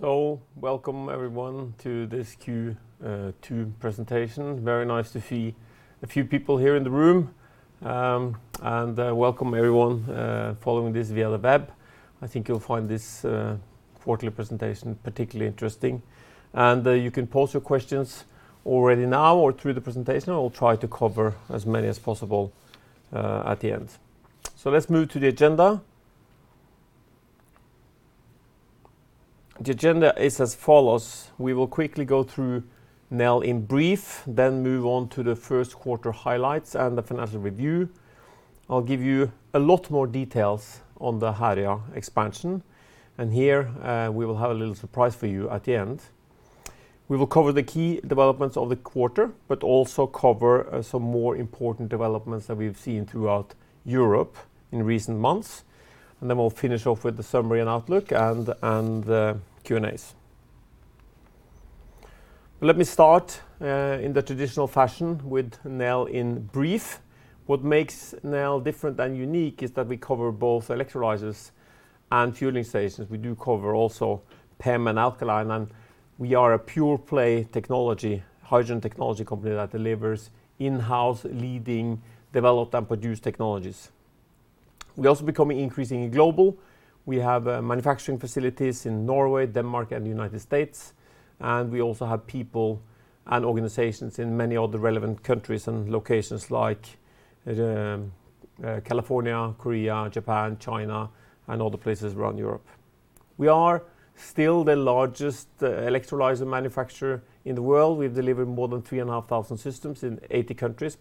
Welcome everyone to this Q2 presentation. Very nice to see a few people here in the room, and welcome everyone following this via the web. I think you'll find this quarterly presentation particularly interesting. You can pose your questions already now or through the presentation, and we'll try to cover as many as possible at the end. Let's move to the agenda. The agenda is as follows. We will quickly go through Nel in brief, then move on to the first quarter highlights and the financial review. I'll give you a lot more details on the Herøya expansion, and here we will have a little surprise for you at the end. We will cover the key developments of the quarter, but also cover some more important developments that we've seen throughout Europe in recent months. Then we'll finish off with the summary and outlook and the Q&As. Let me start in the traditional fashion with Nel in brief. What makes Nel different and unique is that we cover both electrolyzers and fueling stations. We do cover also PEM and alkaline, and we are a pure-play technology, hydrogen technology company that delivers in-house leading developed and produced technologies. We're also becoming increasingly global. We have manufacturing facilities in Norway, Denmark, and the United States, and we also have people and organizations in many other relevant countries and locations like California, Korea, Japan, China, and other places around Europe. We are still the largest electrolyzer manufacturer in the world. We've delivered more than 3,500 systems in 80+ countries,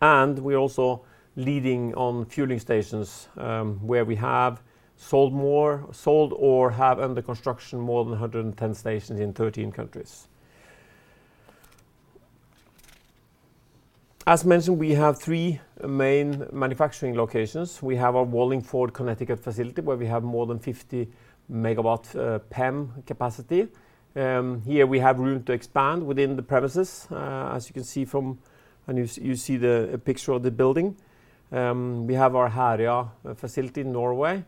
and we're also leading on fueling stations where we have sold more, sold or have under construction more than 110 stations in 13 countries. As mentioned, we have three main manufacturing locations. We have our Wallingford, Connecticut facility where we have more than 50 MW PEM capacity. Here we have room to expand within the premises, as you can see from when you see the picture of the building. We have our Herøya facility in Norway.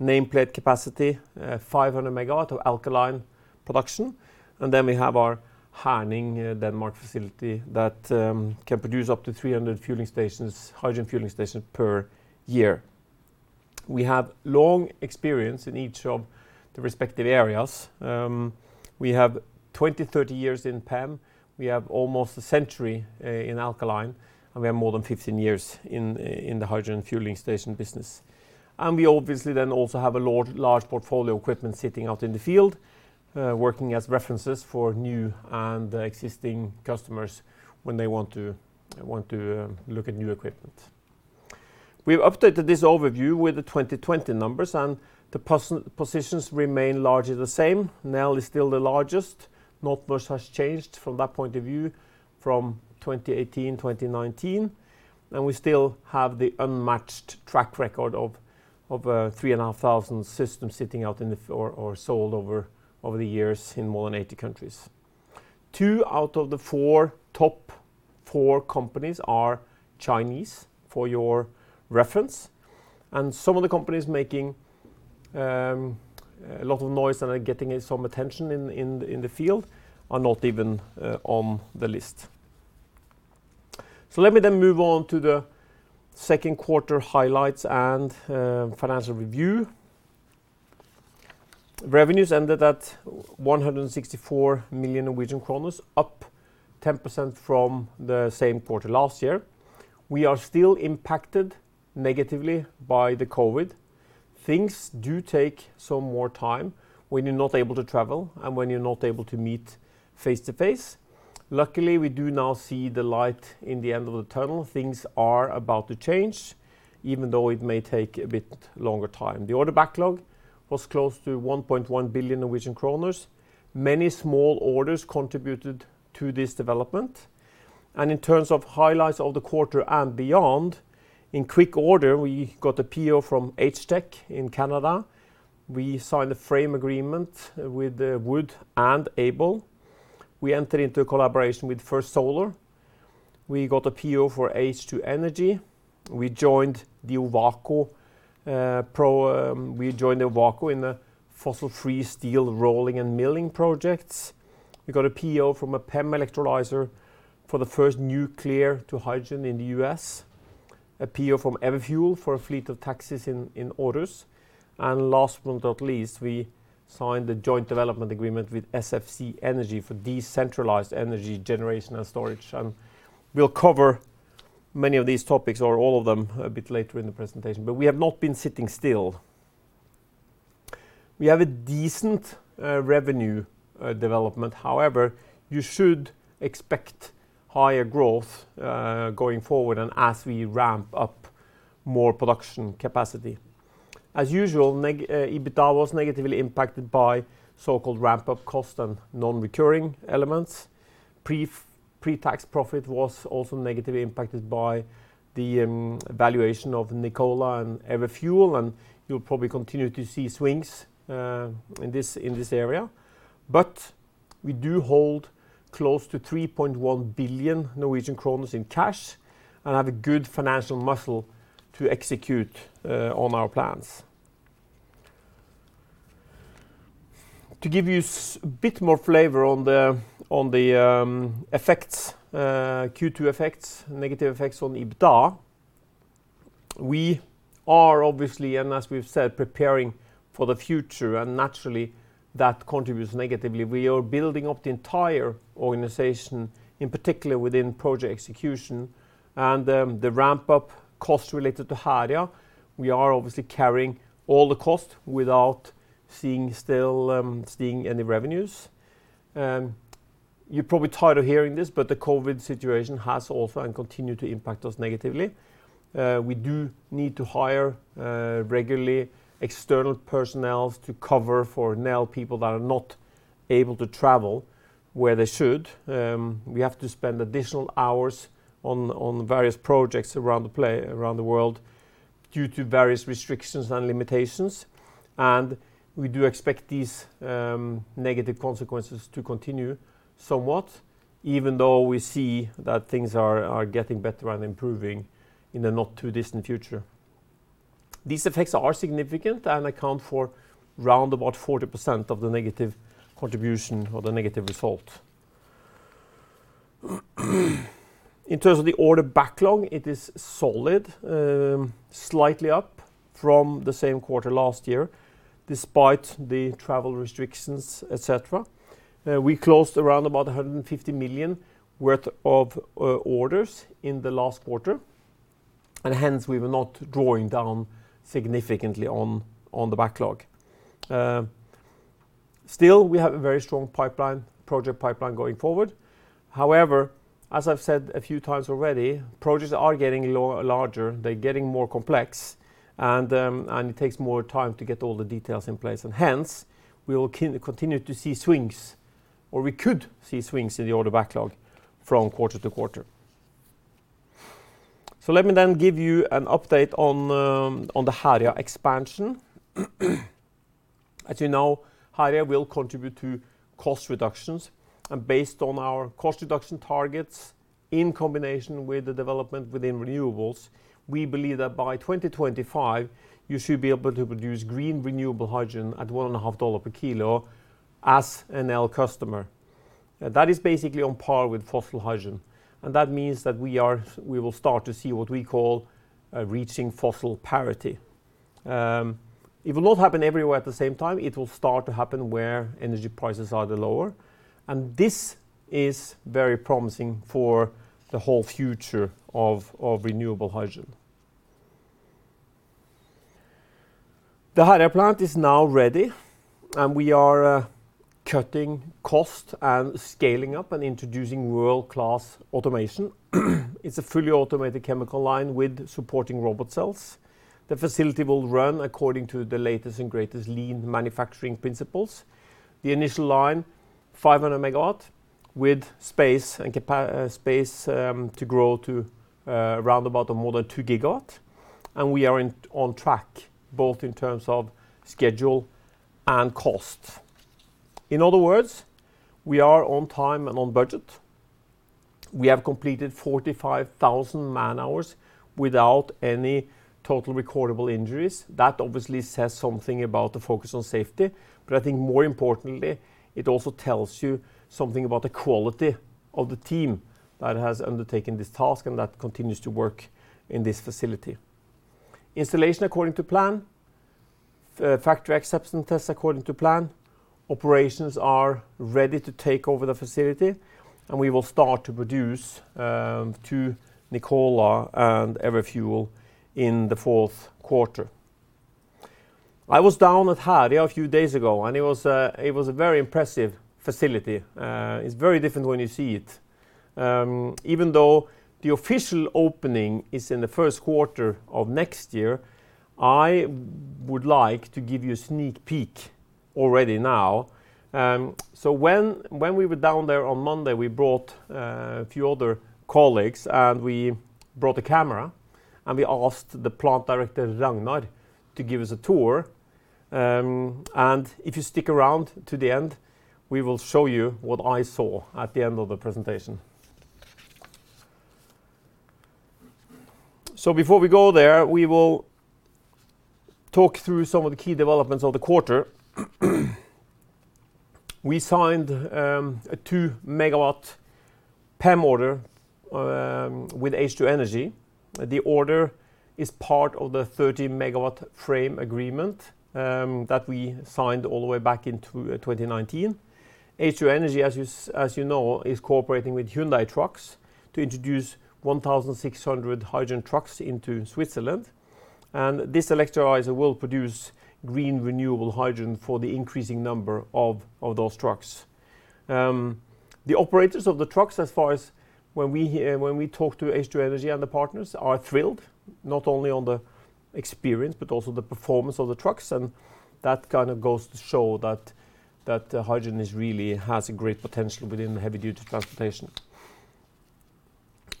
Nameplate capacity 500 MW of alkaline production. We have our Herning, Denmark facility that can produce up to 300 fueling stations, hydrogen fueling stations per year. We have long experience in each of the respective areas. We have 20, 30 years in PEM. We have almost a century in alkaline, and we have more than 15 years in the hydrogen fueling station business. We obviously then also have a large portfolio of equipment sitting out in the field, working as references for new and existing customers when they want to look at new equipment. We've updated this overview with the 2020 numbers. The positions remain largely the same. Nel is still the largest. Not much has changed from that point of view from 2018, 2019. We still have the unmatched track record of 3,500 systems sold over the years in more than 80 countries. Two out of the four top four companies are Chinese, for your reference. Some of the companies making a lot of noise and are getting some attention in the field are not even on the list. Let me move on to the second quarter highlights and financial review. Revenues ended at 164 million Norwegian kroner, up 10% from the same quarter last year. We are still impacted negatively by the COVID. Things do take some more time when you're not able to travel and when you're not able to meet face-to-face. Luckily, we do now see the light in the end of the tunnel. Things are about to change, even though it may take a bit longer time. The order backlog was close to 1.1 billion Norwegian kroner. Many small orders contributed to this development. In terms of highlights of the quarter and beyond, in quick order, we got a PO from HTEC in Canada. We signed a frame agreement with Wood and Aker. We entered into a collaboration with First Solar. We got a PO for H2 Energy. We joined the Ovako in the fossil-free steel rolling and milling projects. We got a PO from a PEM electrolyzer for the first nuclear to hydrogen in the U.S., a PO from Everfuel for a fleet of taxis in Odense. Last but not least, we signed the joint development agreement with SFC Energy for decentralized energy generation and storage. We'll cover many of these topics or all of them a bit later in the presentation. We have not been sitting still. We have a decent revenue development. However, you should expect higher growth going forward and as we ramp up more production capacity. As usual, EBITDA was negatively impacted by so-called ramp-up cost and non-recurring elements. Pre-tax profit was also negatively impacted by the valuation of Nikola and Everfuel, and you'll probably continue to see swings in this area. We do hold close to 3.1 billion Norwegian kroner in cash and have a good financial muscle to execute on our plans. To give you a bit more flavor on the negative effects on EBITDA, we are obviously, and as we've said, preparing for the future, and naturally that contributes negatively. We are building up the entire organization, in particular within project execution and the ramp-up costs related to Herøya. We are obviously carrying all the cost without still seeing any revenues. You're probably tired of hearing this, but the COVID situation has also and continue to impact us negatively. We do need to hire regularly external personnel to cover for Nel people that are not able to travel where they should. We have to spend additional hours on various projects around the world due to various restrictions and limitations. We do expect these negative consequences to continue somewhat, even though we see that things are getting better and improving in the not-too-distant future. These effects are significant and account for 40% of the negative contribution or the negative result. In terms of the order backlog, it is solid, slightly up from the same quarter last year, despite the travel restrictions, et cetera. We closed 150 million worth of orders in the last quarter, and hence we were not drawing down significantly on the backlog. Still, we have a very strong project pipeline going forward. As I've said a few times already, projects are getting larger. They're getting more complex, and it takes more time to get all the details in place. Hence, we will continue to see swings, or we could see swings in the order backlog from quarter to quarter. Let me then give you an update on the Herøya expansion. As you know, Herøya will contribute to cost reductions. Based on our cost reduction targets, in combination with the development within renewables, we believe that by 2025, you should be able to produce green renewable hydrogen at $1.5 per kilo as a Nel customer. That is basically on par with fossil hydrogen. That means that we will start to see what we call reaching fossil parity. It will not happen everywhere at the same time. It will start to happen where energy prices are the lower. This is very promising for the whole future of renewable hydrogen. The Herøya plant is now ready. We are cutting cost and scaling up and introducing world-class automation. It's a fully automated chemical line with supporting robot cells. The facility will run according to the latest and greatest lean manufacturing principles. The initial line, 500 MW, with space to grow to roundabout more than 2 GW, and we are on track both in terms of schedule and cost. In other words, we are on time and on budget. We have completed 45,000 man-hours without any total recordable injuries. That obviously says something about the focus on safety, but I think more importantly, it also tells you something about the quality of the team that has undertaken this task and that continues to work in this facility. Installation according to plan. Factory acceptance test according to plan. Operations are ready to take over the facility, and we will start to produce to Nikola and Everfuel in the fourth quarter. I was down at Herøya a few days ago, and it was a very impressive facility. It's very different when you see it. Even though the official opening is in the first quarter of next year, I would like to give you a sneak peek already now. When we were down there on Monday, we brought a few other colleagues, and we brought a camera, and we asked the plant director, Ragnar, to give us a tour. If you stick around to the end, we will show you what I saw at the end of the presentation. Before we go there, we will talk through some of the key developments of the quarter. We signed a 2 MW PEM order with H2 Energy. The order is part of the 30 MW frame agreement that we signed all the way back in 2019. H2 Energy, as you know, is cooperating with Hyundai Trucks to introduce 1,600 hydrogen trucks into Switzerland, and this electrolyzer will produce green renewable hydrogen for the increasing number of those trucks. The operators of the trucks, as far as when we talk to H2 Energy and the partners, are thrilled, not only on the experience but also the performance of the trucks, and that goes to show that hydrogen really has a great potential within heavy-duty transportation.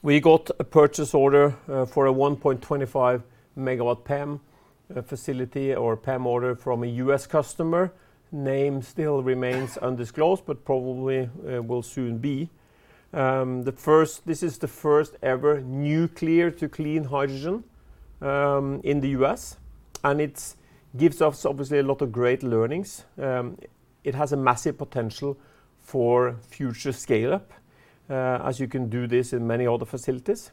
We got a purchase order for a 1.25 MW PEM facility or PEM order from a U.S. customer. Name still remains undisclosed, but probably will soon be. This is the first-ever nuclear to clean hydrogen in the U.S., and it gives us, obviously, a lot of great learnings. It has a massive potential for future scale-up, as you can do this in many other facilities.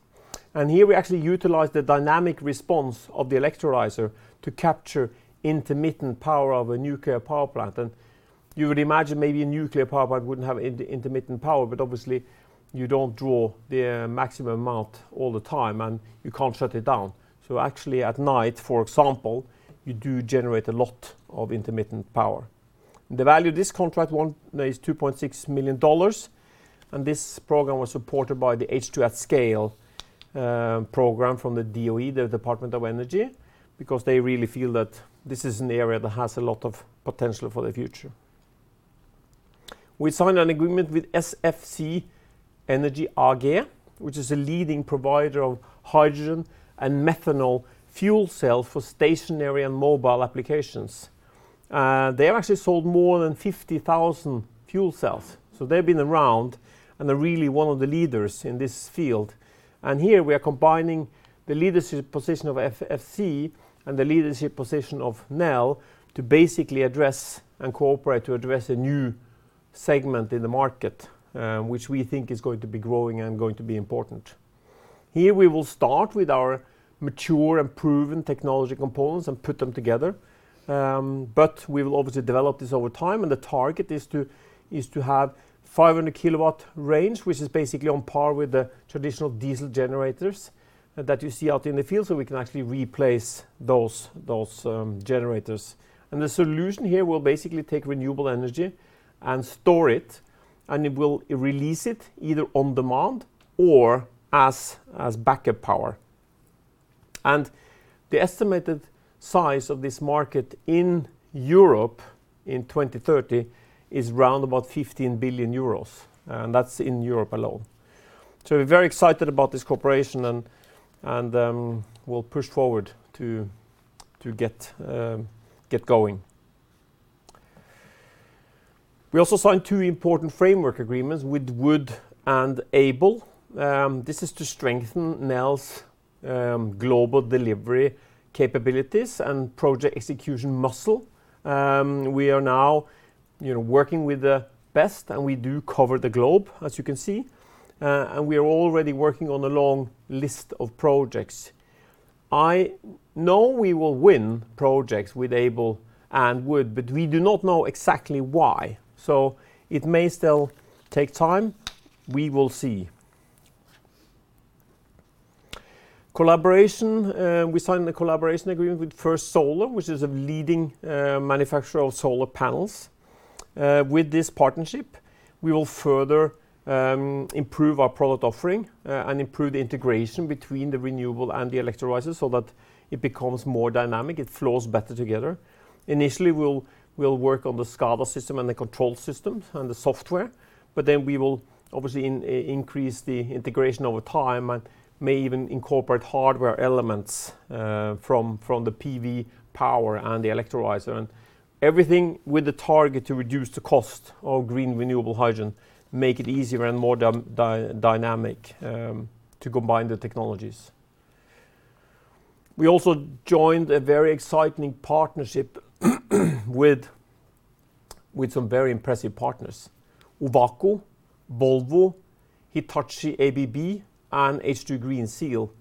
Here we actually utilize the dynamic response of the electrolyzer to capture intermittent power of a nuclear power plant. You would imagine maybe a nuclear power plant wouldn't have intermittent power, but obviously you don't draw the maximum amount all the time, and you can't shut it down. Actually, at night, for example, you do generate a lot of intermittent power. The value of this contract is $2.6 million, and this program was supported by the H2@Scale program from the DOE, the Department of Energy, because they really feel that this is an area that has a lot of potential for the future. We signed an agreement with SFC Energy AG, which is a leading provider of hydrogen and methanol fuel cell for stationary and mobile applications. They have actually sold more than 50,000 fuel cells, so they've been around and are really one of the leaders in this field. Here we are combining the leadership position of SFC Energy and the leadership position of Nel ASA to basically address and cooperate to address a new segment in the market, which we think is going to be growing and going to be important. Here we will start with our mature and proven technology components and put them together, but we will obviously develop this over time, and the target is to have 500 KW range, which is basically on par with the traditional diesel generators that you see out in the field. We can actually replace those generators. The solution here will basically take renewable energy and store it, and it will release it either on demand or as backup power. The estimated size of this market in Europe in 2030 is round about 15 billion euros. That's in Europe alone. We're very excited about this cooperation and we'll push forward to get going. We also signed two important framework agreements with Wood and Aker. This is to strengthen Nel's global delivery capabilities and project execution muscle. We are now working with the best, we do cover the globe, as you can see. We are already working on a long list of projects. I know we will win projects with Aker and Wood, we do not know exactly why, it may still take time. We will see. Collaboration. We signed a collaboration agreement with First Solar, which is a leading manufacturer of solar panels. With this partnership, we will further improve our product offering and improve the integration between the renewable and the electrolyzers so that it becomes more dynamic, it flows better together. Initially, we'll work on the SCADA system and the control system and the software, but then we will obviously increase the integration over time and may even incorporate hardware elements from the PV power and the electrolyzer. Everything with the target to reduce the cost of green renewable hydrogen, make it easier and more dynamic to combine the technologies. We also joined a very exciting partnership with some very impressive partners. Ovako, Volvo, Hitachi, ABB, and H2 Green Steel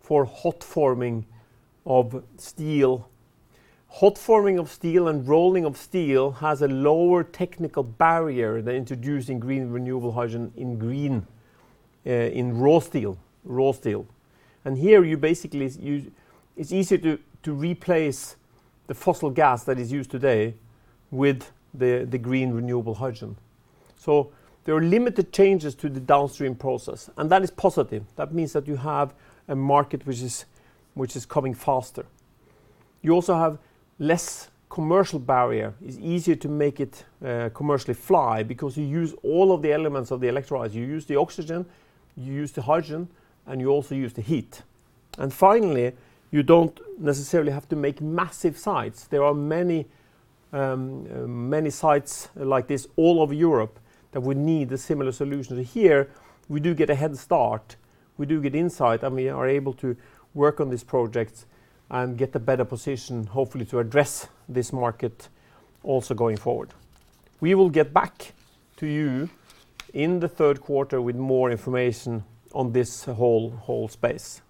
for hot forming of steel. Hot forming of steel and rolling of steel has a lower technical barrier than introducing green renewable hydrogen in raw steel. Here it's easier to replace the fossil gas that is used today with the green renewable hydrogen. There are limited changes to the downstream process. That is positive. That means that you have a market which is coming faster. You also have less commercial barrier. It's easier to make it commercially fly because you use all of the elements of the electrolyzer. You use the oxygen, you use the hydrogen, and you also use the heat. Finally, you don't necessarily have to make massive sites. There are many sites like this all over Europe that would need a similar solution. Here we do get a head start. We do get insight, and we are able to work on this project and get a better position, hopefully, to address this market also going forward. We will get back to you in the third quarter with more information on this whole space.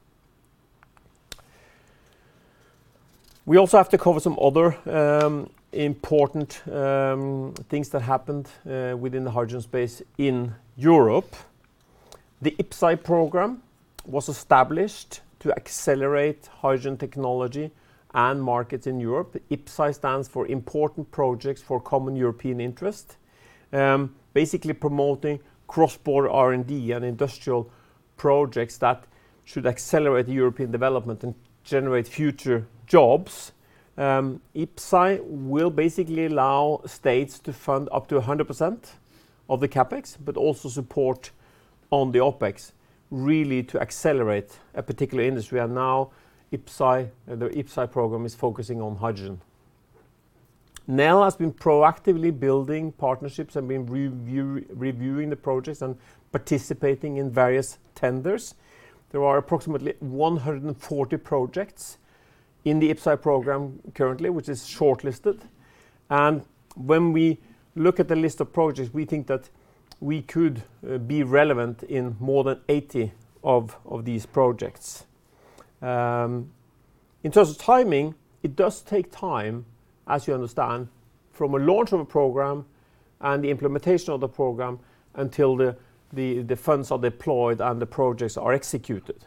We also have to cover some other important things that happened within the hydrogen space in Europe. The IPCEI program was established to accelerate hydrogen technology and markets in Europe. IPCEI stands for Important Projects of Common European Interest. Basically promoting cross-border R&D and industrial projects that should accelerate European development and generate future jobs. IPCEI will basically allow states to fund up to 100% of the CapEx, but also support on the OpEx, really to accelerate a particular industry. Now the IPCEI program is focusing on hydrogen. Nel has been proactively building partnerships and been reviewing the projects and participating in various tenders. There are approximately 140 projects in the IPCEI program currently, which is shortlisted. When we look at the list of projects, we think that we could be relevant in more than 80 of these projects. In terms of timing, it does take time, as you understand, from a launch of a program and the implementation of the program until the funds are deployed and the projects are executed.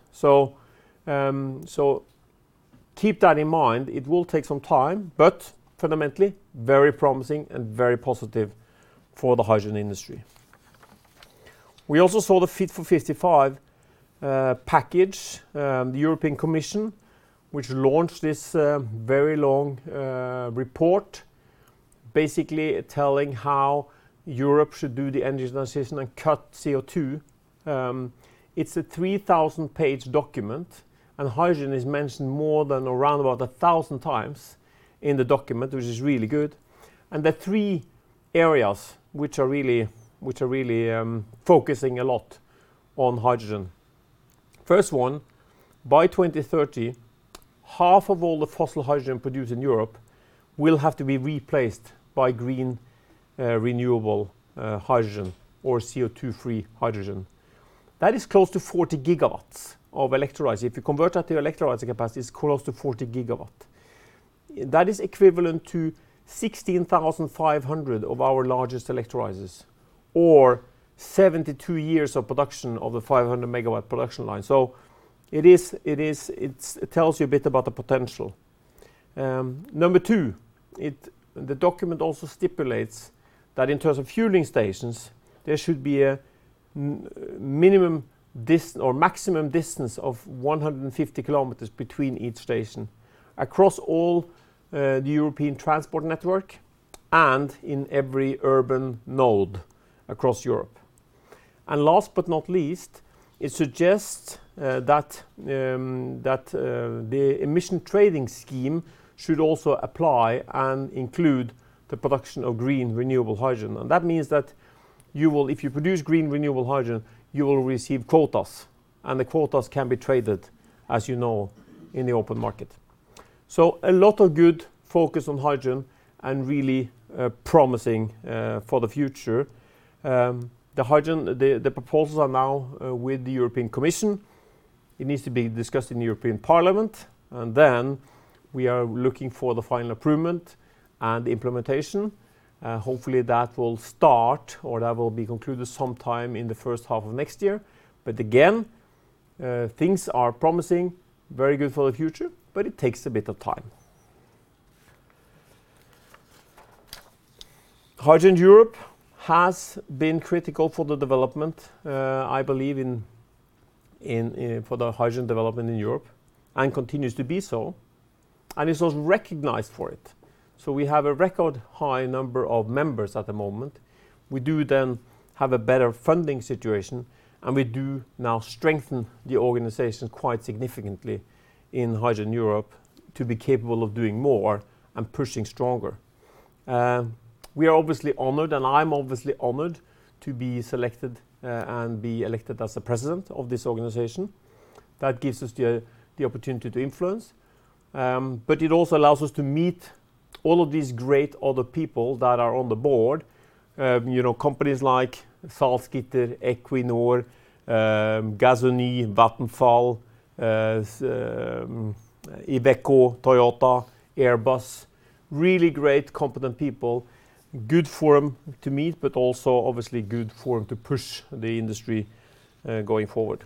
Keep that in mind. It will take some time, but fundamentally very promising and very positive for the hydrogen industry. We also saw the Fit for 55 package, the European Commission, which launched this very long report basically telling how Europe should do the energy transition and cut CO2. It's a 3,000-page document, and hydrogen is mentioned more than around about 1,000x in the document, which is really good. There are three areas which are really focusing a lot on hydrogen. First one, by 2030, half of all the fossil hydrogen produced in Europe will have to be replaced by green, renewable hydrogen or CO2-free hydrogen. That is close to 40 GW of electrolyzer. If you convert that to electrolyzer capacity, it is close to 40 GW. That is equivalent to 16,500 of our largest electrolyzers, or 72 years of production of the 500 MW production line. It tells you a bit about the potential. Number two, the document also stipulates that in terms of fueling stations, there should be a maximum distance of 150 km between each station across all the European transport network and in every urban node across Europe. Last but not least, it suggests that the emission trading scheme should also apply and include the production of green renewable hydrogen. That means that if you produce green renewable hydrogen, you will receive quotas, and the quotas can be traded, as you know, in the open market. A lot of good focus on hydrogen and really promising for the future. The proposals are now with the European Commission. It needs to be discussed in the European Parliament, and we are looking for the final approval and implementation. Hopefully, that will start or that will be concluded sometime in the first half of next year. Again, things are promising, very good for the future, but it takes a bit of time. Hydrogen Europe has been critical for the development, I believe, for the hydrogen development in Europe and continues to be so, and it was recognized for it. We have a record high number of members at the moment. We do have a better funding situation, and we do now strengthen the organization quite significantly in Hydrogen Europe to be capable of doing more and pushing stronger. We are obviously honored, I'm obviously honored to be selected and be elected as the president of this organization. That gives us the opportunity to influence, it also allows us to meet all of these great other people that are on the board. Companies like Salzgitter, Equinor, Gasunie, Vattenfall, Iveco, Toyota, Airbus, really great, competent people. Good forum to meet, also obviously good forum to push the industry going forward.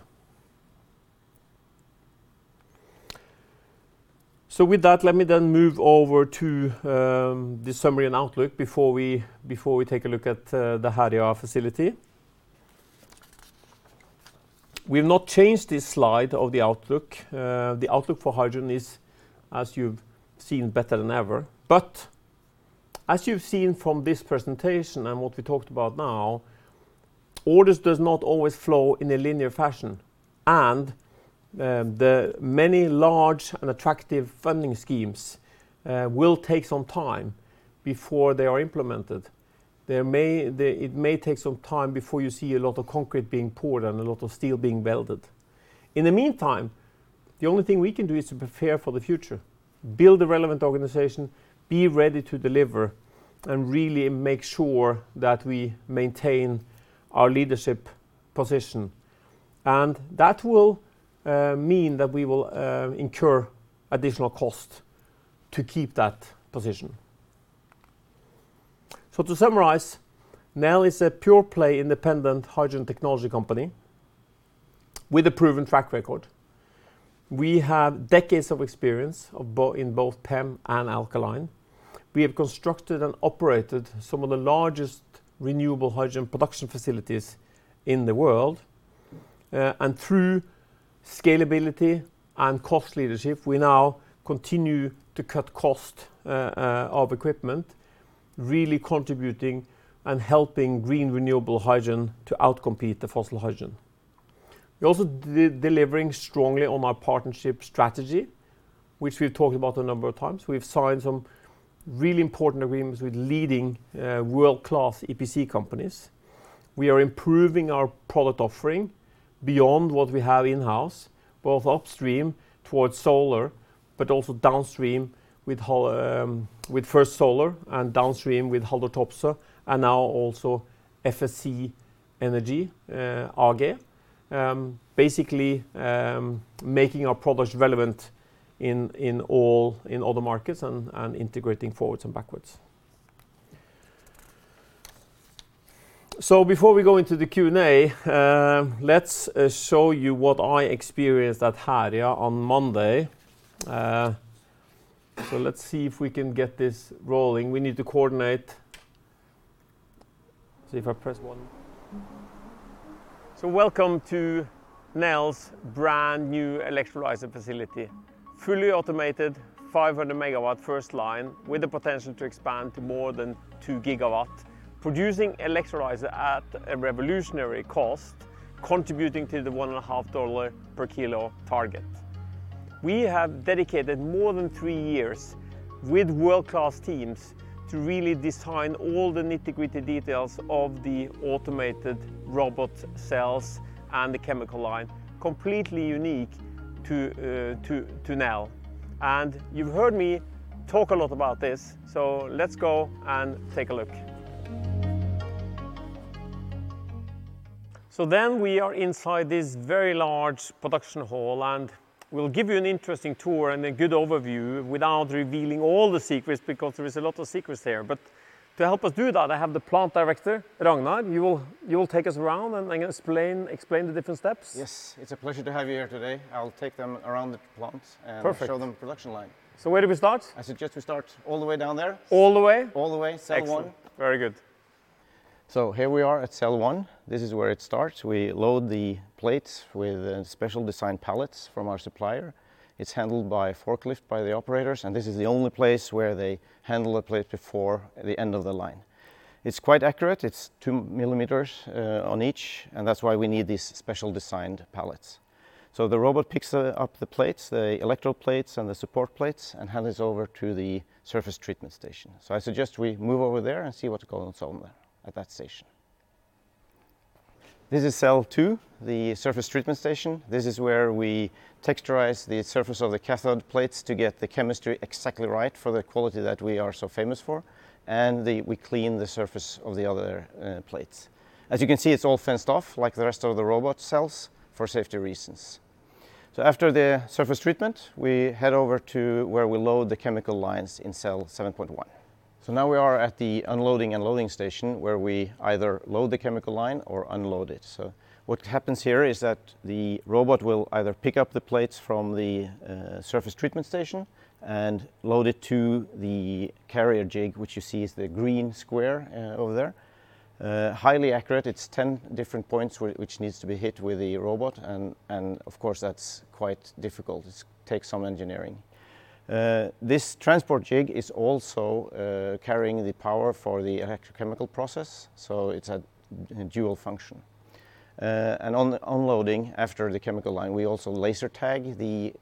With that, let me then move over to the summary and outlook before we take a look at the Herøya facility. We've not changed this slide of the outlook. The outlook for hydrogen is, as you've seen, better than ever. As you've seen from this presentation and what we talked about now, orders does not always flow in a linear fashion, and the many large and attractive funding schemes will take some time before they are implemented. It may take some time before you see a lot of concrete being poured and a lot of steel being welded. In the meantime, the only thing we can do is to prepare for the future, build a relevant organization, be ready to deliver, and really make sure that we maintain our leadership position. That will mean that we will incur additional cost to keep that position. To summarize, Nel is a pure-play independent hydrogen technology company with a proven track record. We have decades of experience in both PEM and alkaline. We have constructed and operated some of the largest renewable hydrogen production facilities in the world. Through scalability and cost leadership, we now continue to cut cost of equipment, really contributing and helping green renewable hydrogen to outcompete the fossil hydrogen. We are also delivering strongly on our partnership strategy, which we have talked about a number of times. We have signed some really important agreements with leading world-class EPC companies. We are improving our product offering beyond what we have in-house, both upstream towards solar, but also downstream with First Solar and downstream with Haldor Topsoe, and now also SFC Energy AG. Basically, making our products relevant in all the markets and integrating forwards and backwards. Before we go into the Q&A, let us show you what I experienced at Herøya on Monday. Let us see if we can get this rolling. We need to coordinate. If I press one. Welcome to Nel's brand new electrolyzer facility, fully automated 500 MW first line with the potential to expand to more than 2 GW, producing electrolyzer at a revolutionary cost, contributing to the one and a half dollar per kilo target. We have dedicated more than three years with world-class teams to really design all the nitty-gritty details of the automated robot cells and the chemical line, completely unique to Nel. You've heard me talk a lot about this, so let's go and take a look. We are inside this very large production hall, and we'll give you an interesting tour and a good overview without revealing all the secrets, because there is a lot of secrets here. To help us do that, I have the plant director, Ragnar. You will take us around and explain the different steps. Yes. It's a pleasure to have you here today. I'll take them around the plant- Perfect. Show them the production line. Where do we start? I suggest we start all the way down there. All the way? All the way. Cell one. Excellent. Very good. Here we are at cell one. This is where it starts. We load the plates with special designed palettes from our supplier. It's handled by forklift by the operators, and this is the only place where they handle a plate before the end of the line. It's quite accurate. It's 2 ml on each, and that's why we need these special designed palettes. The robot picks up the plates, the electrode plates and the support plates, and hands over to the surface treatment station. I suggest we move over there and see what's going on there at that station. This is cell two, the surface treatment station. This is where we texturize the surface of the cathode plates to get the chemistry exactly right for the quality that we are so famous for, and we clean the surface of the other plates. As you can see, it's all fenced off like the rest of the robot cells for safety reasons. After the surface treatment, we head over to where we load the chemical lines in cell 7.1. Now we are at the unloading and loading station where we either load the chemical line or unload it. What happens here is that the robot will either pick up the plates from the surface treatment station and load it to the carrier jig, which you see is the green square over there. Highly accurate. It's 10 different points which needs to be hit with the robot, and of course, that's quite difficult. It takes some engineering. This transport jig is also carrying the power for the electrochemical process, so it's a dual function. On unloading, after the chemical line, we also laser tag the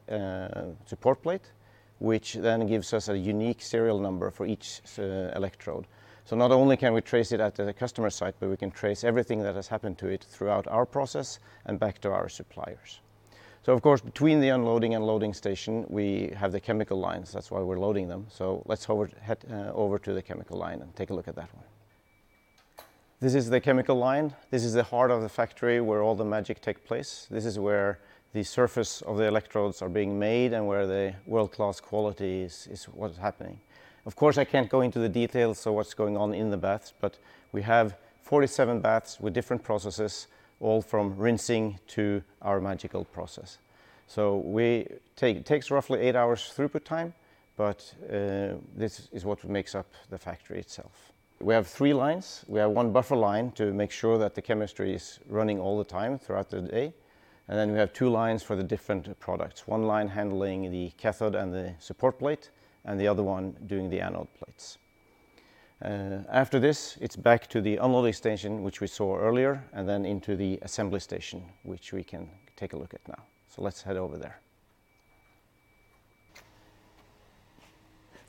support plate, which then gives us a unique serial number for each electrode. Not only can we trace it at the customer site, but we can trace everything that has happened to it throughout our process and back to our suppliers. Of course, between the unloading and loading station, we have the chemical lines. That's why we're loading them. Let's head over to the chemical line and take a look at that one. This is the chemical line. This is the heart of the factory where all the magic takes place. This is where the surface of the electrodes are being made and where the world-class quality is what's happening. Of course, I can't go into the details of what's going on in the baths, but we have 47 baths with different processes, all from rinsing to our magical process. It takes roughly eight hours throughput time, but this is what makes up the factory itself. We have three lines. We have one buffer line to make sure that the chemistry is running all the time throughout the day, and then we have two lines for the different products, one line handling the cathode and the support plate, and the other one doing the anode plates. After this, it's back to the unloading station, which we saw earlier, and then into the assembly station, which we can take a look at now. Let's head over there.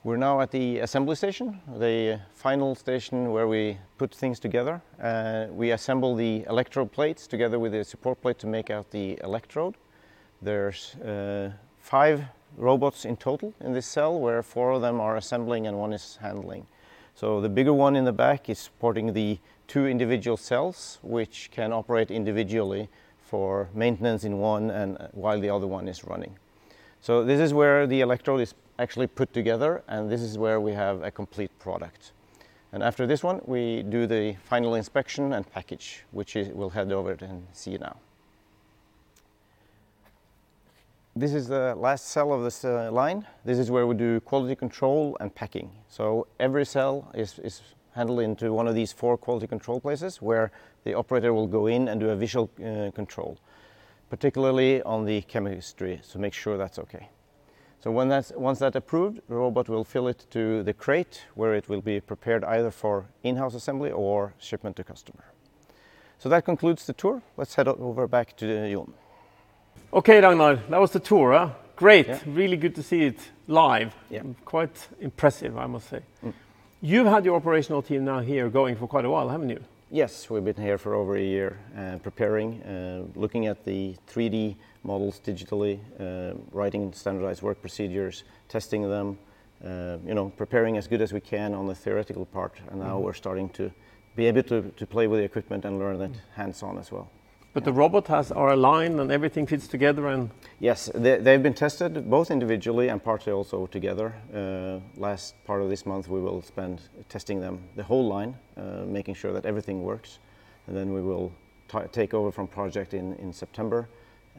We're now at the assembly station, the final station where we put things together. We assemble the electrode plates together with the support plate to make out the electrode. There's five robots in total in this cell, where four of them are assembling and one is handling. The bigger one in the back is supporting the two individual cells, which can operate individually for maintenance in one and while the otherone is running. This is where the electrode is actually put together, and this is where we have a complete product. After this one, we do the final inspection and package, which we'll head over and see now. This is the last cell of this line. This is where we do quality control and packing. Every cell is handled into one of these four quality control places, where the operator will go in and do a visual control, particularly on the chemistry, to make sure that's okay. Once that's approved, the robot will fill it to the crate, where it will be prepared either for in-house assembly or shipment to customer. That concludes the tour. Let's head over back to Jon. Okay, Ragnar. That was the tour, huh? Great. Yeah. Really good to see it live. Yeah. Quite impressive, I must say. You've had your operational team now here going for quite a while, haven't you? Yes. We've been here for over a year, preparing, looking at the 3D models digitally, writing standardized work procedures, testing them, preparing as good as we can on the theoretical part. Now we're starting to be able to play with the equipment and learn it hands-on as well. The robot are aligned and everything fits together. Yes. They've been tested both individually and partly also together. Last part of this month, we will spend testing them, the whole line, making sure that everything works. Then we will take over from project in September,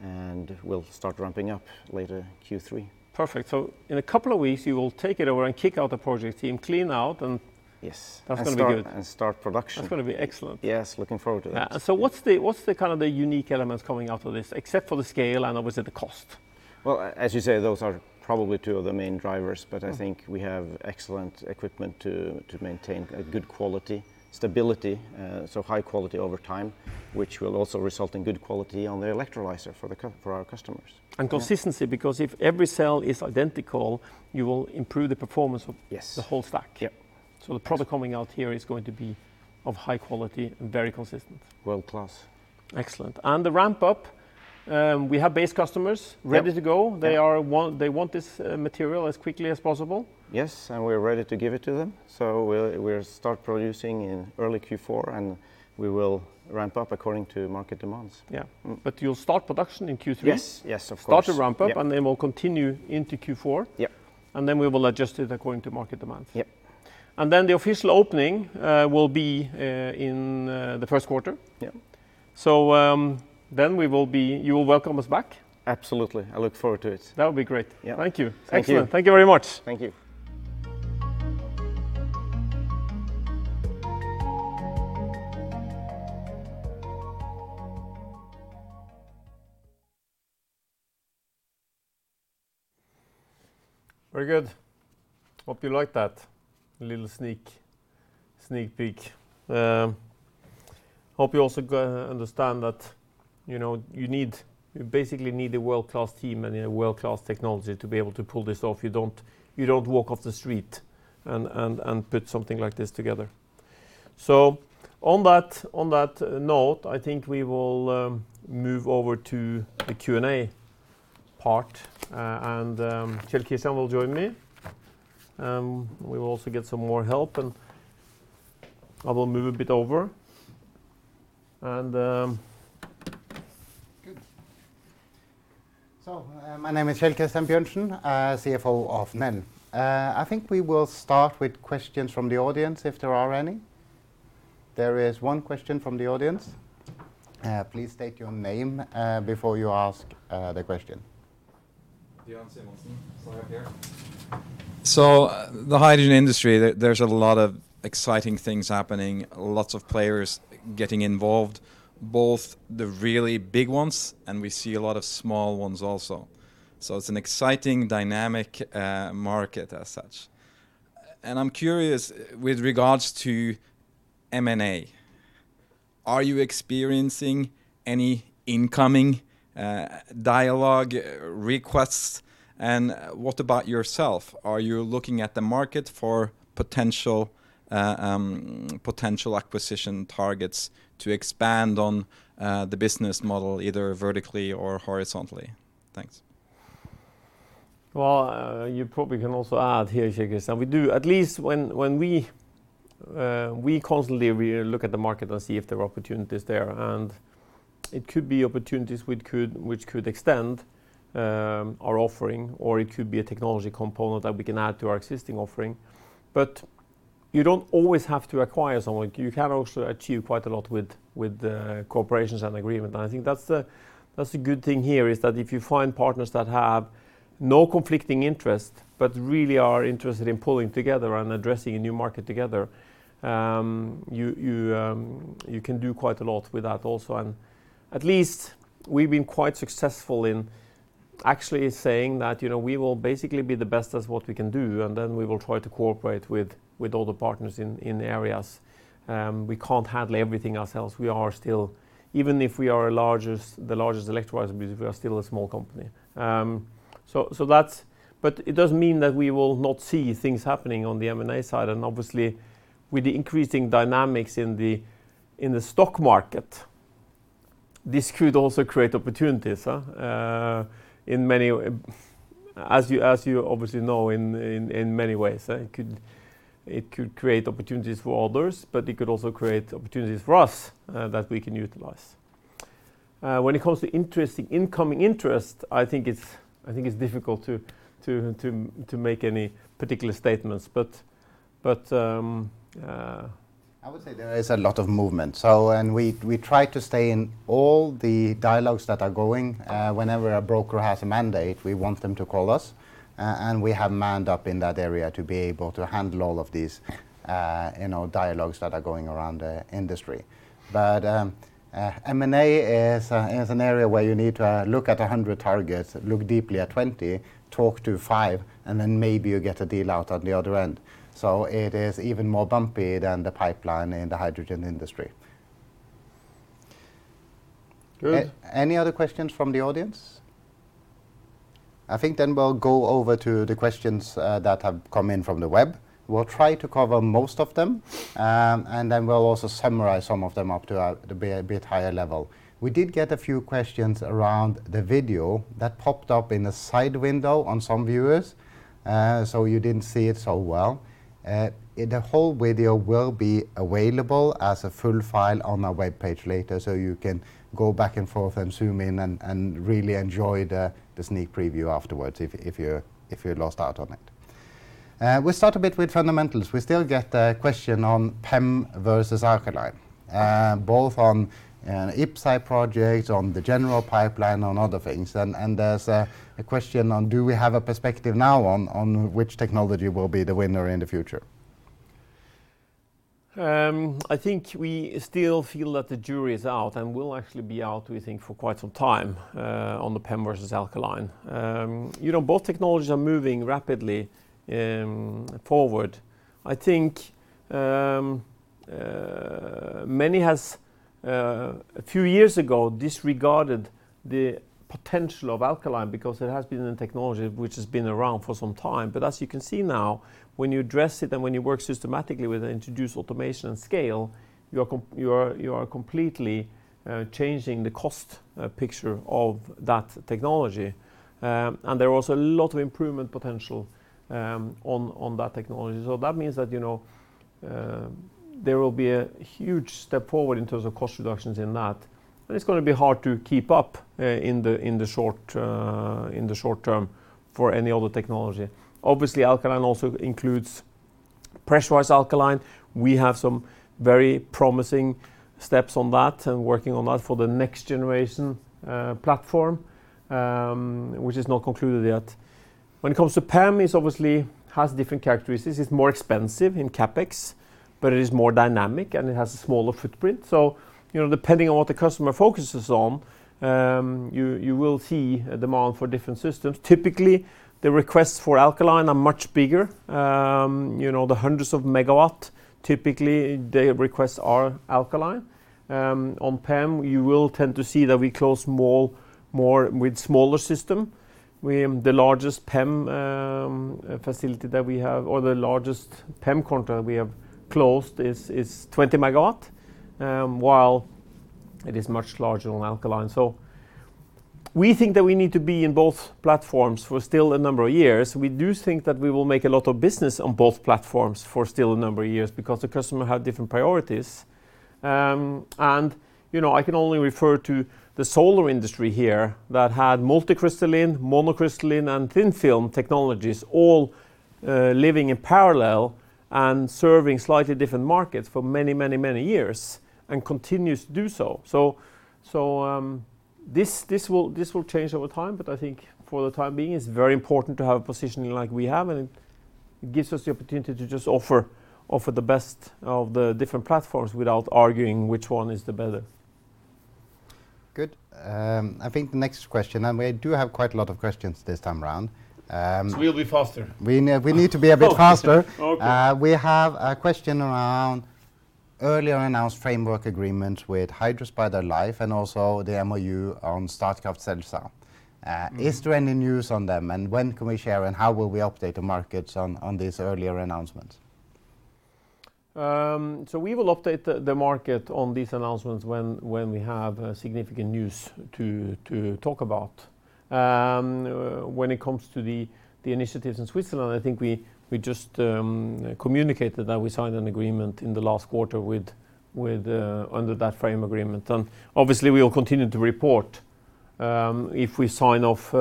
and we'll start ramping up later, Q3. Perfect. In a couple of weeks, you will take it over and kick out the project team, clean out and. Yes. that's going to be good. Start production. That's going to be excellent. Yes, looking forward to that. Yeah. What's the kind of the unique elements coming out of this, except for the scale and obviously the cost? Well, as you say, those are probably two of the main drivers, but I think we have excellent equipment to maintain a good quality, stability, so high quality over time, which will also result in good quality on the electrolyzer for our customers. Consistency, because if every cell is identical, you will improve the performance the whole stack. The product coming out here is going to be of high quality and very consistent. World-class. Excellent. The ramp-up, we have base customers ready to go. They want this material as quickly as possible. Yes, we're ready to give it to them. We'll start producing in early Q4, and we will ramp up according to market demands. You'll start production in Q3. Yes, of course. Start to ramp up. We'll continue into Q4. Yep. We will adjust it according to market demands. Yep. The official opening will be in the first quarter. Yep. You will welcome us back. Absolutely. I look forward to it. That would be great. Yeah. Thank you. Thank you. Excellent. Thank you very much. Thank you. Very good. Hope you liked that little sneak peek. Hope you also understand that you basically need a world-class team and a world-class technology to be able to pull this off. You don't walk off the street and put something like this together. On that note, I think we will move over to the Q&A part. Kjell Christian will join me. We will also get some more help, and I will move a bit over. Good. My name is Kjell Christian Bjørnsen, CFO of Nel. I think we will start with questions from the audience, if there are any. There is one question from the audience. Please state your name before you ask the question. Jon Simonsen. The hydrogen industry, there's a lot of exciting things happening, lots of players getting involved, both the really big ones, and we see a lot of small ones also. It's an exciting, dynamic market as such. I'm curious, with regards to M&A, are you experiencing any incoming dialogue, requests, and what about yourself? Are you looking at the market for potential acquisition targets to expand on the business model, either vertically or horizontally? Thanks. Well, you probably can also add here, Kjell. We constantly look at the market and see if there are opportunities there. It could be opportunities which could extend our offering, or it could be a technology component that we can add to our existing offering. You don't always have to acquire someone. You can also achieve quite a lot with co-operations and agreement. I think that's the good thing here, is that if you find partners that have no conflicting interest, but really are interested in pulling together and addressing a new market together, you can do quite a lot with that also. At least we've been quite successful in actually saying that we will basically be the best as what we can do, and then we will try to cooperate with all the partners in areas. We can't handle everything ourselves. Even if we are the largest electrolyzer, we are still a small company. It doesn't mean that we will not see things happening on the M&A side. Obviously, with the increasing dynamics in the stock market, this could also create opportunities, as you obviously know, in many ways. It could create opportunities for others, but it could also create opportunities for us that we can utilize. When it comes to incoming interest, I think it's difficult to make any particular statements. I would say there is a lot of movement. We try to stay in all the dialogues that are going. Whenever a broker has a mandate, we want them to call us, and we have manned up in that area to be able to handle all of these dialogues that are going around the industry. M&A is an area where you need to look at 100 targets, look deeply at 20, talk to 5, and then maybe you get a deal out at the other end. It is even more bumpy than the pipeline in the hydrogen industry. Good. Any other questions from the audience? I think we'll go over to the questions that have come in from the web. We'll try to cover most of them, we'll also summarize some of them up to a bit higher level. We did get a few questions around the video that popped up in a side window on some viewers, so you didn't see it so well. The whole video will be available as a full file on our webpage later, so you can go back and forth and zoom in and really enjoy the sneak preview afterwards if you lost out on it. We start a bit with fundamentals. We still get a question on PEM versus alkaline, both on IPCEI projects, on the general pipeline, on other things. There's a question on do we have a perspective now on which technology will be the winner in the future? I think we still feel that the jury is out and will actually be out, we think, for quite some time on the PEM versus alkaline. Both technologies are moving rapidly forward. I think many has, a few years ago, disregarded the potential of alkaline because it has been a technology which has been around for some time. As you can see now, when you address it and when you work systematically with it, introduce automation and scale, you are completely changing the cost picture of that technology. There are also a lot of improvement potential on that technology. That means there will be a huge step forward into the cost reductions in that. It is going to be hard to keep up in the short term for any other technology. Obviously, alkaline also includes pressurized alkaline. We have some very promising steps on that and working on that for the next generation platform, which is not concluded yet. When it comes to PEM, it obviously has different characteristics. It's more expensive in CapEx, but it is more dynamic, and it has a smaller footprint. Depending on what the customer focuses on, you will see a demand for different systems. Typically, the requests for alkaline are much bigger. The hundreds of megawatt, typically, the requests are alkaline. On PEM, you will tend to see that we close more with smaller system. The largest PEM facility that we have, or the largest PEM contract we have closed is 20 MW, while it is much larger on alkaline. We think that we need to be in both platforms for still a number of years. We do think that we will make a lot of business on both platforms for still a number of years because the customer have different priorities. I can only refer to the solar industry here that had multicrystalline, monocrystalline, and thin-film technologies all living in parallel and serving slightly different markets for many years and continues to do so. This will change over time, but I think for the time being, it's very important to have a positioning like we have, and it gives us the opportunity to just offer the best of the different platforms without arguing which one is the better. Good. I think the next question, and we do have quite a lot of questions this time around. We'll be faster. We need to be a bit faster. Okay. We have a question around earlier announced framework agreement with Hydrospider AG and also the MoU on Statkraft Celsa. Is there any news on them? When can we share, and how will we update the markets on this earlier announcement? We will update the market on these announcements when we have significant news to talk about. When it comes to the initiatives in Switzerland, I think we just communicated that we signed an agreement in the last quarter under that frame agreement. Obviously, we will continue to report if we sign off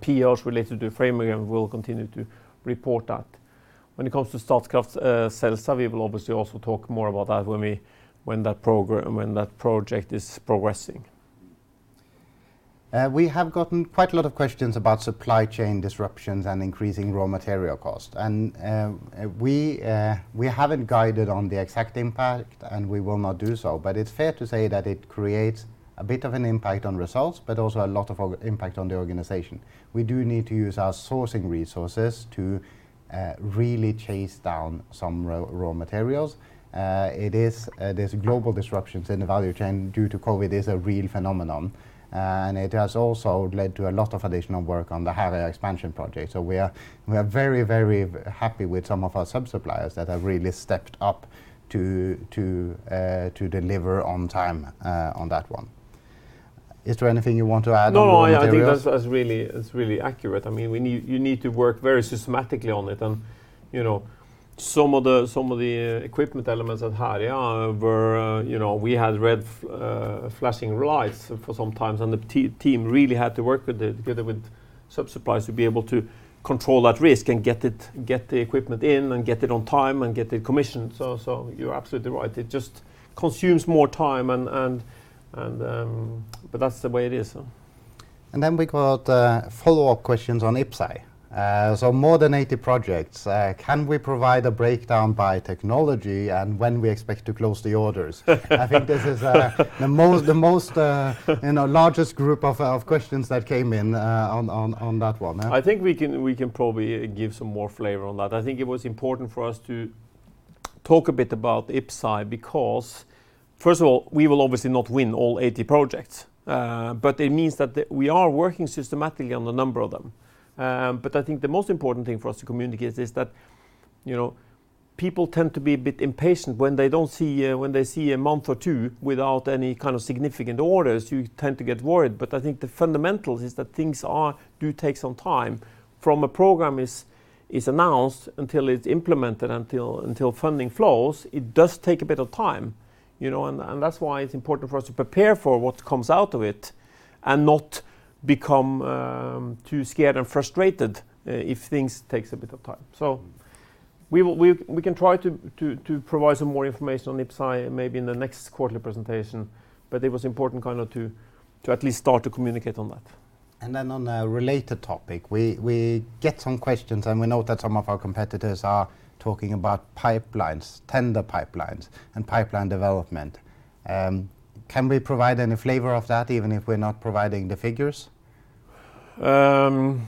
POs related to the frame agreement, we will continue to report that. When it comes to Statkraft Celsa, we will obviously also talk more about that when that project is progressing. We have gotten quite a lot of questions about supply chain disruptions and increasing raw material cost. We haven't guided on the exact impact, and we will not do so, but it's fair to say that it creates a bit of an impact on results, but also a lot of impact on the organization. We do need to use our sourcing resources to really chase down some raw materials. These global disruptions in the value chain due to COVID is a real phenomenon, and it has also led to a lot of additional work on the Herøya expansion project. We are very happy with some of our sub-suppliers that have really stepped up to deliver on time on that one. Is there anything you want to add on raw materials? No, I think that's really accurate. You need to work very systematically on it. Some of the equipment elements at Herøya, we had red flashing lights for sometimes. The team really had to work with it, together with sub-suppliers, to be able to control that risk and get the equipment in and get it on time and get it commissioned. You're absolutely right. It just consumes more time. That's the way it is. Then we got follow-up questions on IPCEI. More than 80 projects, can we provide a breakdown by technology and when we expect to close the orders? I think this is the largest group of questions that came in on that one. I think we can probably give some more flavor on that. I think it was important for us to talk a bit about IPCEI because first of all, we will obviously not win all 80 projects. It means that we are working systematically on a number of them. I think the most important thing for us to communicate is that people tend to be a bit impatient when they see a month or two without any kind of significant orders, you tend to get worried. I think the fundamentals is that things do take some time from a program is announced until it's implemented, until funding flows, it does take a bit of time. That's why it's important for us to prepare for what comes out of it and not become too scared and frustrated if things takes a bit of time. We can try to provide some more information on IPCEI maybe in the next quarterly presentation, but it was important to at least start to communicate on that. On a related topic, we get some questions, and we know that some of our competitors are talking about pipelines, tender pipelines, and pipeline development. Can we provide any flavor of that even if we're not providing the figures? I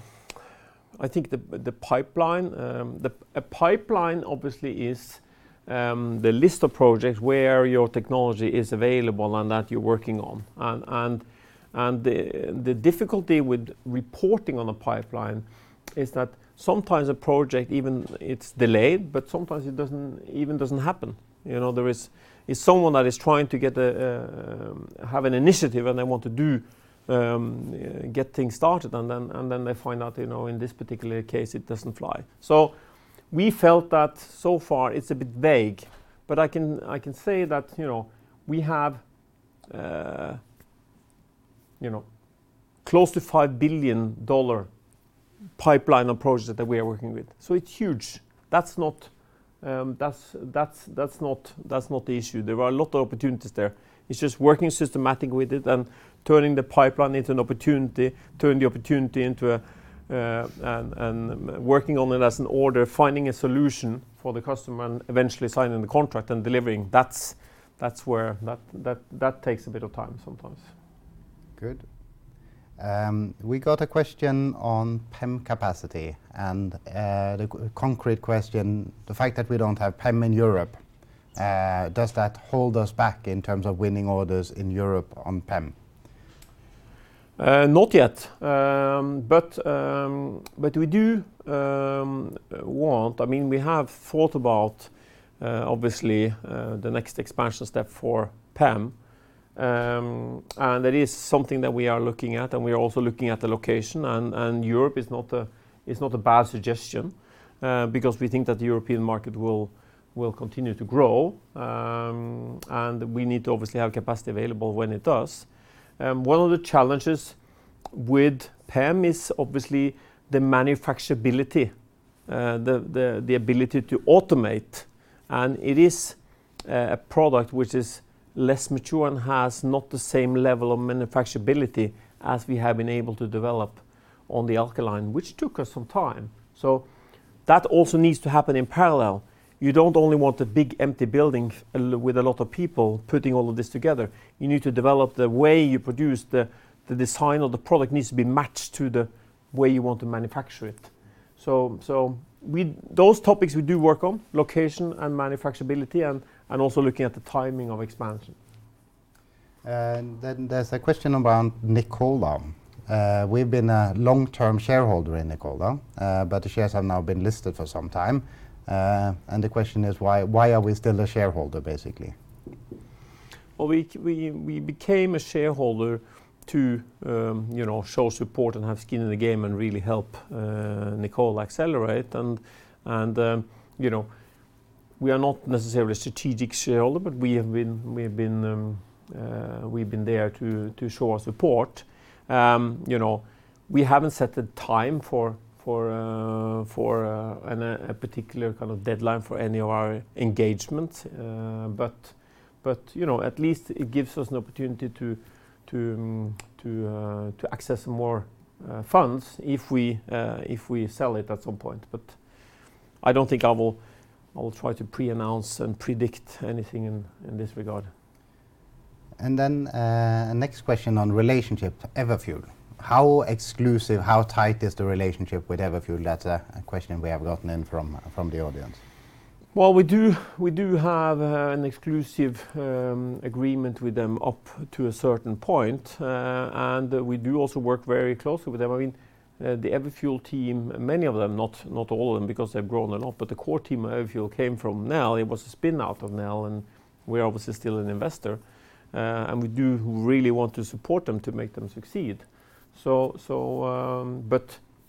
think a pipeline obviously is the list of projects where your technology is available and that you're working on and the difficulty with reporting on a pipeline is that sometimes a project, it's delayed, but sometimes it even doesn't happen. There is someone that is trying to have an initiative, and they want to get things started, and then they find out, in this particular case, it doesn't fly. We felt that so far it's a bit vague, but I can say that we have close to $5 billion pipeline of projects that we are working with. It's huge. That's not the issue. There are a lot of opportunities there. It's just working systematically with it and turning the pipeline into an opportunity, and working on it as an order, finding a solution for the customer, and eventually signing the contract and delivering. That takes a bit of time sometimes. Good. We got a question on PEM capacity and the concrete question, the fact that we don't have PEM in Europe, does that hold us back in terms of winning orders in Europe on PEM? Not yet. We have thought about, obviously, the next expansion step for PEM, and it is something that we are looking at, and we are also looking at the location. Europe is not a bad suggestion, because we think that the European market will continue to grow, and we need to obviously have capacity available when it does. One of the challenges with PEM is obviously the manufacturability, the ability to automate, and it is a product which is less mature and has not the same level of manufacturability as we have been able to develop on the alkaline, which took us some time. That also needs to happen in parallel. You don't only want a big empty building with a lot of people putting all of this together. You need to develop the way you produce, the design of the product needs to be matched to the way you want to manufacture it. Those topics we do work on, location and manufacturability and also looking at the timing of expansion. There's a question around Nikola. We've been a long-term shareholder in Nikola, the shares have now been listed for some time. The question is why are we still a shareholder, basically? We became a shareholder to show support and have skin in the game and really help Nikola accelerate. We are not necessarily a strategic shareholder, but we've been there to show our support. We haven't set a time for a particular kind of deadline for any of our engagement. At least it gives us an opportunity to access more funds if we sell it at some point. I don't think I will try to pre-announce and predict anything in this regard. Next question on relationship to Everfuel. How exclusive, how tight is the relationship with Everfuel? That's a question we have gotten in from the audience. Well, we do have an exclusive agreement with them up to a certain point. We do also work very closely with them. The Everfuel team, many of them, not all of them, because they've grown a lot, but the core team of Everfuel came from Nel. It was a spin-out of Nel, and we're obviously still an investor. We do really want to support them to make them succeed.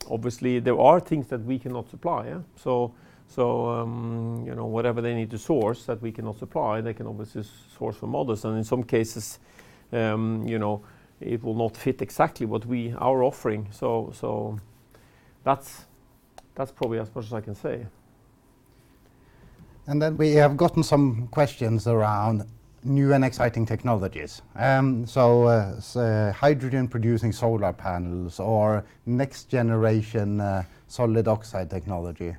Obviously there are things that we cannot supply. Whatever they need to source that we cannot supply, they can obviously source from others. In some cases, it will not fit exactly what we are offering. That's probably as much as I can say. We have gotten some questions around new and exciting technologies. Hydrogen producing solar panels or next generation solid oxide technology.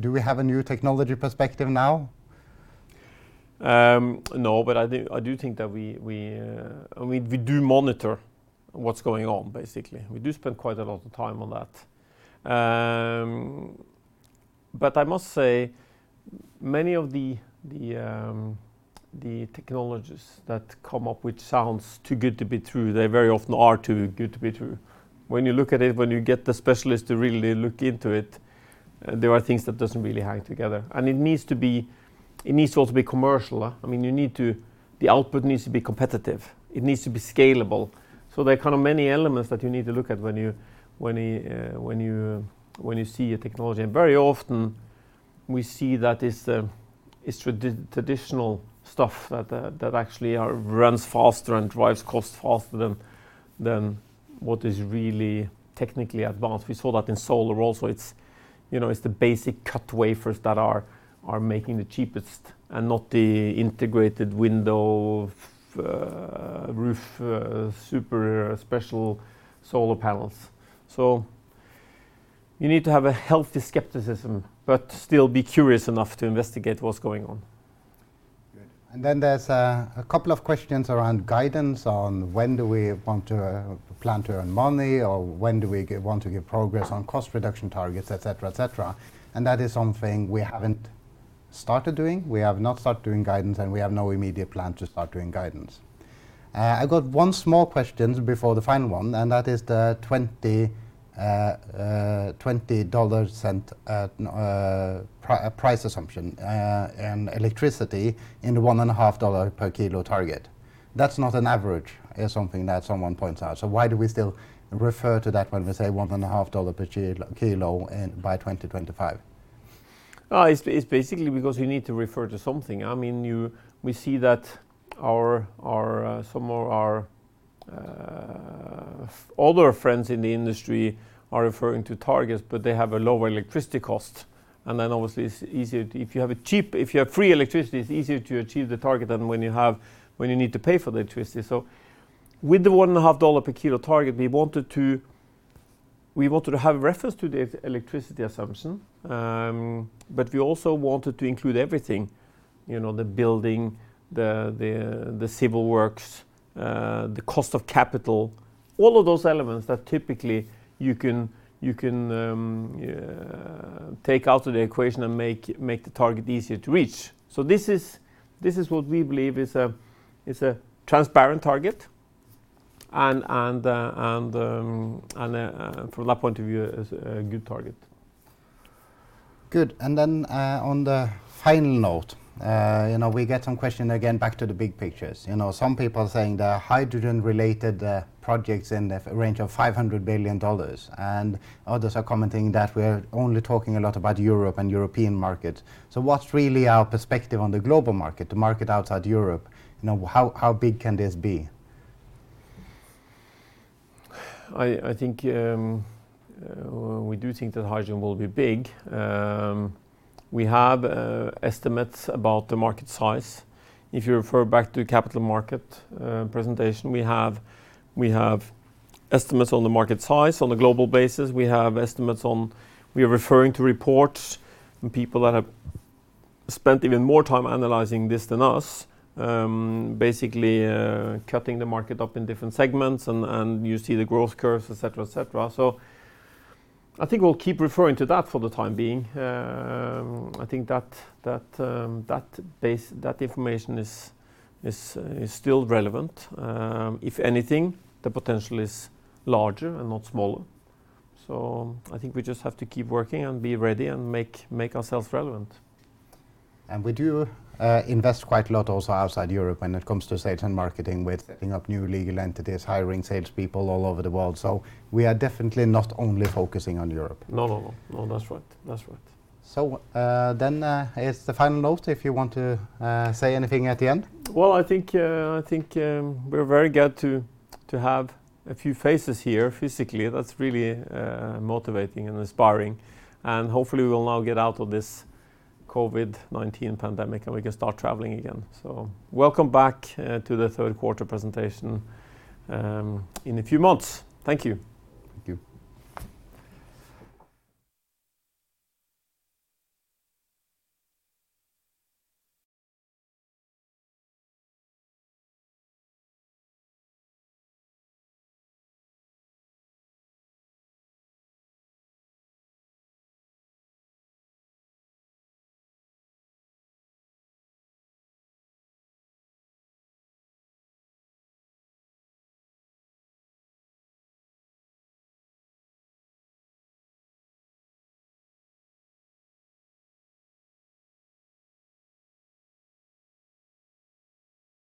Do we have a new technology perspective now? No, I do think that we do monitor what's going on, basically. We do spend quite a lot of time on that. I must say, many of the technologies that come up which sounds too good to be true, they very often are too good to be true. When you look at it, when you get the specialist to really look into it, there are things that doesn't really hang together. It needs to also be commercial. The output needs to be competitive. It needs to be scalable. There are many elements that you need to look at when you see a technology. Very often we see that it's traditional stuff that actually runs faster and drives costs faster than what is really technically advanced. We saw that in solar also. It's the basic cut wafers that are making the cheapest and not the integrated window, roof, super special solar panels. You need to have a healthy skepticism, but still be curious enough to investigate what's going on. Good. Then there's a couple of questions around guidance on when do we want to plan to earn money, or when do we want to give progress on cost reduction targets, etcetera. That is something we haven't started doing. We have not start doing guidance, and we have no immediate plan to start doing guidance. I got one small question before the final one. That is the $0.20 price assumption, and electricity in the one and a half dollar per kilo target. That's not an average, is something that someone points out. Why do we still refer to that when we say one and a half dollar per kilo by 2025? It's basically because you need to refer to something. We see that some of our other friends in the industry are referring to targets, but they have a lower electricity cost. Obviously it's easier if you have free electricity, it's easier to achieve the target than when you need to pay for the electricity. With the one and a half dollar per kilo target, we wanted to have reference to the electricity assumption. We also wanted to include everything, the building, the civil works, the cost of capital, all of those elements that typically you can take out of the equation and make the target easier to reach. This is what we believe is a transparent target and, from that point of view, is a good target. Good. On the final note, we get some question again back to the big pictures. Some people are saying the hydrogen related projects in the range of $500 billion, and others are commenting that we're only talking a lot about Europe and European markets. What's really our perspective on the global market, the market outside Europe? How big can this be? We do think that hydrogen will be big. We have estimates about the market size. If you refer back to capital market presentation, we have estimates on the market size on a global basis. We are referring to reports from people that have spent even more time analyzing this than us, basically cutting the market up in different segments and you see the growth curves, et cetera. I think we'll keep referring to that for the time being. I think that information is still relevant. If anything, the potential is larger and not smaller. I think we just have to keep working and be ready and make ourselves relevant. We do invest quite a lot also outside Europe when it comes to sales and marketing with setting up new legal entities, hiring sales people all over the world. We are definitely not only focusing on Europe. No. That's right. As the final note, if you want to say anything at the end. I think we're very glad to have a few faces here physically. That's really motivating and inspiring, and hopefully we will now get out of this COVID-19 pandemic, and we can start traveling again. Welcome back to the third quarter presentation in a few months. Thank you. Thank you.